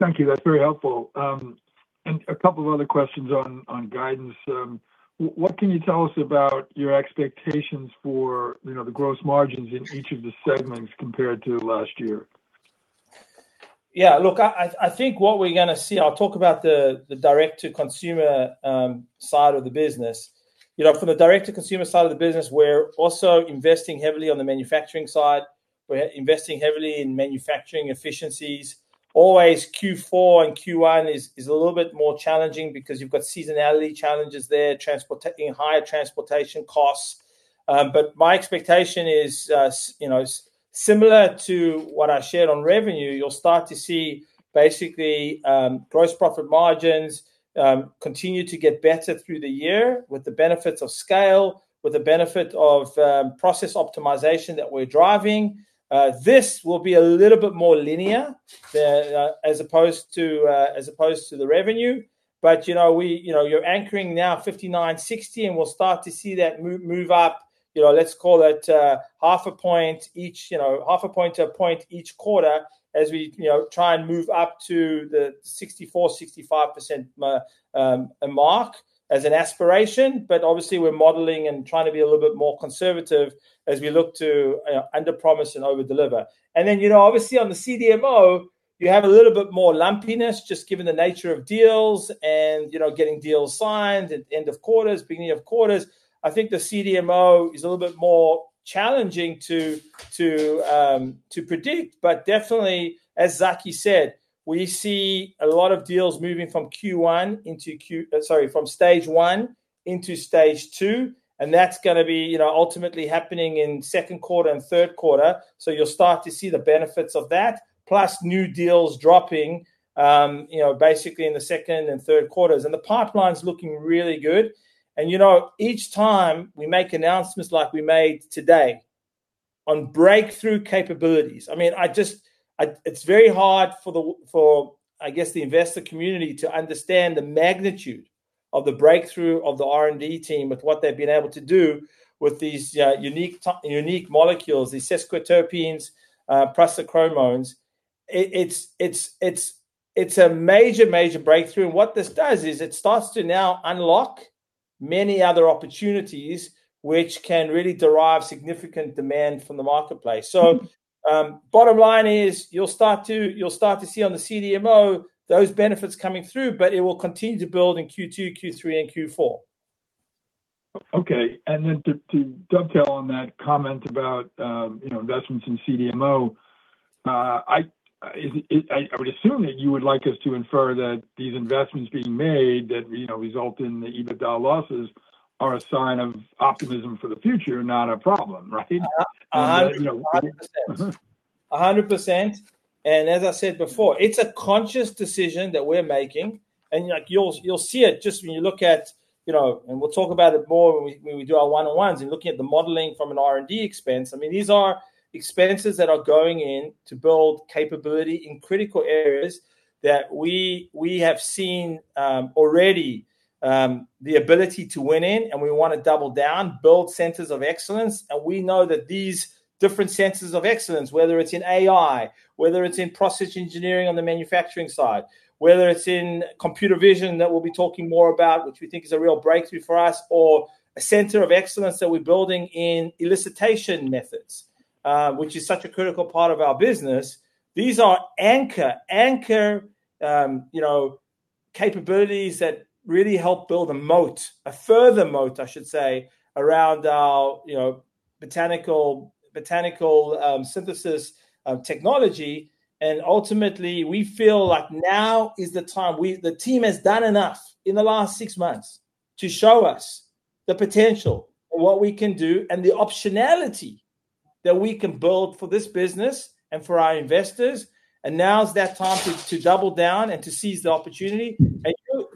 Thank you. That's very helpful. A couple other questions on guidance. What can you tell us about your expectations for, you know, the gross margins in each of the segments compared to last year? Yeah. Look, I think what we're gonna see. I'll talk about the direct-to-consumer side of the business. You know, from the direct-to-consumer side of the business, we're also investing heavily on the manufacturing side. We're investing heavily in manufacturing efficiencies. Always Q4 and Q1 is a little bit more challenging because you've got seasonality challenges there and higher transportation costs. But my expectation is, you know, similar to what I shared on revenue, you'll start to see basically gross profit margins continue to get better through the year with the benefits of scale, with the benefit of process optimization that we're driving. This will be a little bit more linear as opposed to the revenue. You know, we. You know, you're anchoring now 59%, 60%, and we'll start to see that move up, you know, let's call it, half a point each, you know, half a point to a point each quarter as we, you know, try and move up to the 64%, 65% mark as an aspiration. But obviously we're modeling and trying to be a little bit more conservative as we look to underpromise and overdeliver. Then, you know, obviously on the CDMO, you have a little bit more lumpiness just given the nature of deals and, you know, getting deals signed at end of quarters, beginning of quarters. I think the CDMO is a little bit more challenging to predict. But definitely, as Zaki said, we see a lot of deals moving from Q1 into Q... Sorry, from Stage 1 into Stage 2, and that's gonna be, you know, ultimately happening in second quarter and third quarter. You'll start to see the benefits of that, plus new deals dropping, you know, basically in the second and third quarters. The pipeline's looking really good. You know, each time we make announcements like we made today on breakthrough capabilities, I mean, it's very hard for, I guess, the investor community to understand the magnitude of the breakthrough of the R&D team with what they've been able to do with these unique molecules, these sesquiterpenes, precious chromones. It's a major breakthrough. What this does is it starts to now unlock many other opportunities which can really derive significant demand from the marketplace. Bottom line is you'll start to see on the CDMO those benefits coming through, but it will continue to build in Q2, Q3, and Q4. Okay. To dovetail on that comment about, you know, investments in CDMO, I would assume that you would like us to infer that these investments being made that, you know, result in the EBITDA losses are a sign of optimism for the future, not a problem, right? 100%. As I said before, it's a conscious decision that we're making. Like, you'll see it just when you look at, you know, and we'll talk about it more when we do our one-on-ones and looking at the modeling from an R&D expense. I mean, these are expenses that are going in to build capability in critical areas that we have seen already the ability to win in, and we want to double down, build centers of excellence. We know that these different centers of excellence, whether it's in AI, whether it's in process engineering on the manufacturing side, whether it's in computer vision that we'll be talking more about, which we think is a real breakthrough for us, or a center of excellence that we're building in elicitation methods, which is such a critical part of our business. These are anchor, you know, capabilities that really help build a moat, a further moat, I should say, around our, you know, Botanical Synthesis technology. Ultimately, we feel like now is the time. The team has done enough in the last six months to show us the potential of what we can do and the optionality that we can build for this business and for our investors. Now is that time to double down and to seize the opportunity.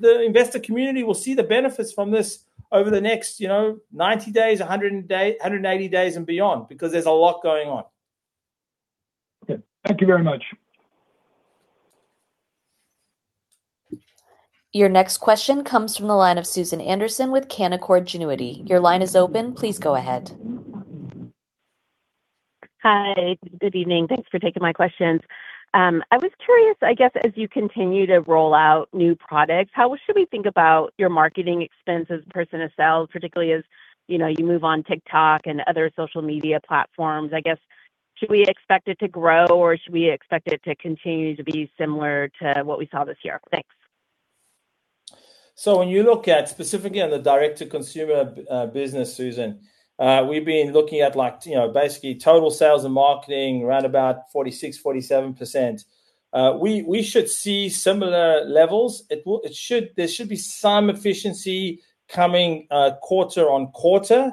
The investor community will see the benefits from this over the next, you know, 90 days, 180 days and beyond, because there's a lot going on. Okay. Thank you very much. Your next question comes from the line of Susan Anderson with Canaccord Genuity. Your line is open. Please go ahead. Hi, good evening. Thanks for taking my questions. I was curious, I guess, as you continue to roll out new products, how should we think about your marketing expenses versus sales, particularly as, you know, you move on TikTok and other social media platforms? I guess, should we expect it to grow or should we expect it to continue to be similar to what we saw this year? Thanks. When you look at specifically on the Direct-to-Consumer business, Susan, we've been looking at like, you know, basically total sales and marketing around about 46%-47%. We should see similar levels. It should, there should be some efficiency coming quarter-over-quarter.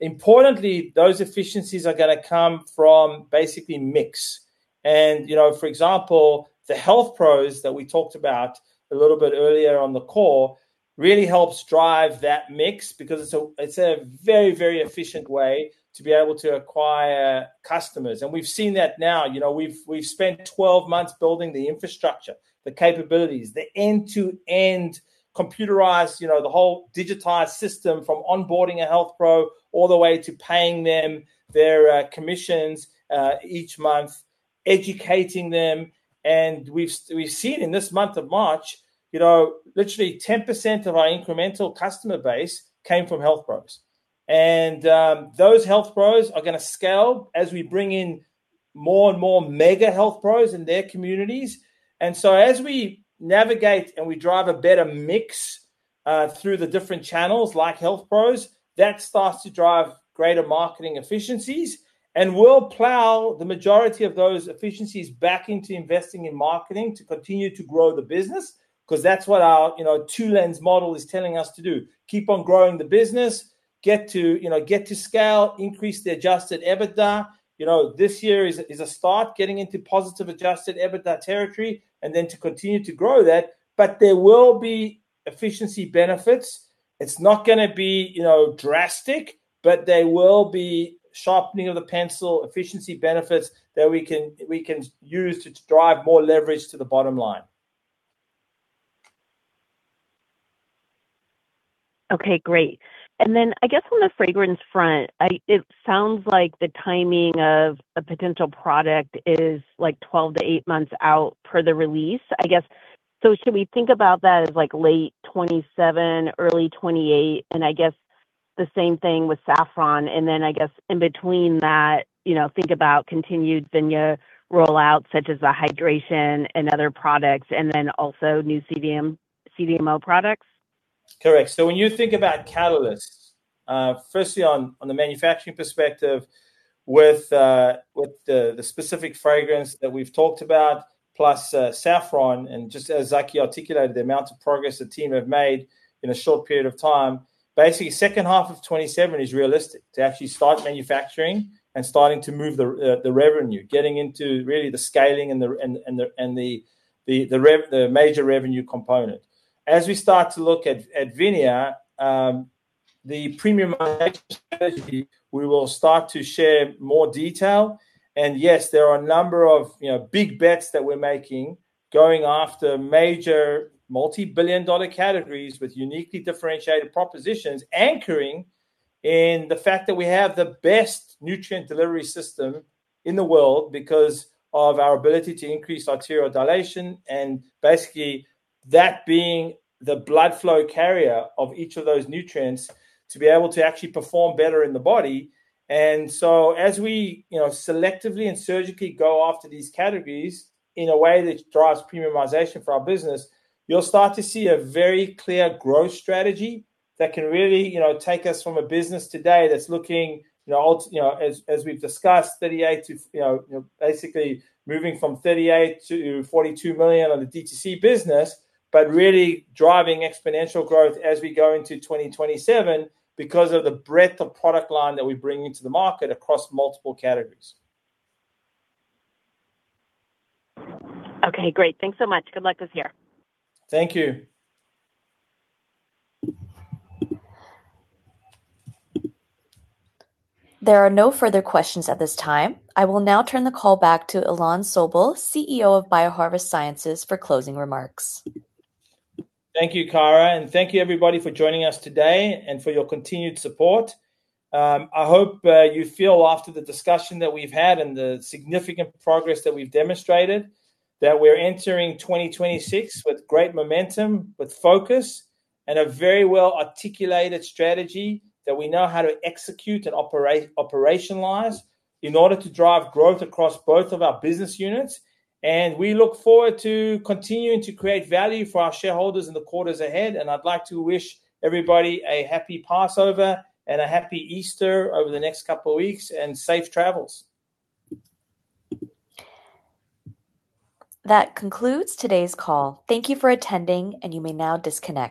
Importantly, those efficiencies are gonna come from basically mix. You know, for example, the Health Pros that we talked about a little bit earlier on the call really helps drive that mix because it's a very, very efficient way to be able to acquire customers. We've seen that now. You know, we've spent 12 months building the infrastructure, the capabilities, the end-to-end computerized, you know, the whole digitized system from onboarding a Health Pro all the way to paying them their commissions each month, educating them. We've seen in this month of March, you know, literally 10% of our incremental customer base came from Health Pros. Those Health Pros are gonna scale as we bring in more and more mega Health Pros in their communities. As we navigate and we drive a better mix through the different channels like Health Pros, that starts to drive greater marketing efficiencies. We'll plow the majority of those efficiencies back into investing in marketing to continue to grow the business, because that's what our, you know, two-lens model is telling us to do. Keep on growing the business, get to scale, increase the adjusted EBITDA. You know, this year is a start, getting into positive adjusted EBITDA territory, and then to continue to grow that. There will be efficiency benefits. It's not gonna be, you know, drastic, but there will be sharpening of the pencil, efficiency benefits that we can use to drive more leverage to the bottom line. Okay, great. I guess on the fragrance front, it sounds like the timing of a potential product is like eight to 12 months out per the release. I guess, so should we think about that as like late 2027, early 2028? I guess the same thing with Saffron. I guess in between that, you know, think about continued VINIA rollouts such as the hydration and other products, and then also new CDMO products? Correct. When you think about catalysts, firstly on the manufacturing perspective with the specific fragrance that we've talked about, plus Saffron, and just as Zaki articulated, the amount of progress the team have made in a short period of time. Basically, second half of 2027 is realistic to actually start manufacturing and starting to move the revenue, getting into really the scaling and the major revenue component. As we start to look at VINIA, the premiumization strategy, we will start to share more detail. Yes, there are a number of, you know, big bets that we're making going after major multi-billion-dollar categories with uniquely differentiated propositions, anchoring in the fact that we have the best nutrient delivery system in the world because of our ability to increase arterial dilation, and basically that being the blood flow carrier of each of those nutrients to be able to actually perform better in the body. As we, you know, selectively and surgically go after these categories in a way that drives premiumization for our business, you'll start to see a very clear growth strategy that can really, you know, take us from a business today that's basically moving from $38 million-$42 million on the D2C business, but really driving exponential growth as we go into 2027 because of the breadth of product line that we bring into the market across multiple categories. Okay, great. Thanks so much. Good luck this year. Thank you. There are no further questions at this time. I will now turn the call back to Ilan Sobel, CEO of BioHarvest Sciences, for closing remarks. Thank you, Kara, and thank you everybody for joining us today and for your continued support. I hope you feel after the discussion that we've had and the significant progress that we've demonstrated, that we're entering 2026 with great momentum, with focus, and a very well-articulated strategy that we know how to execute and operationalize in order to drive growth across both of our business units. We look forward to continuing to create value for our shareholders in the quarters ahead. I'd like to wish everybody a happy Passover and a happy Easter over the next couple of weeks, and safe travels. That concludes today's call. Thank you for attending, and you may now disconnect.